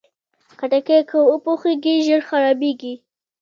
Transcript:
خټکی که وپوخېږي، ژر خرابېږي.